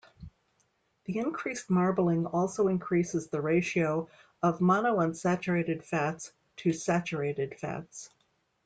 The increased marbling also increases the ratio of monounsaturated fats to saturated fats.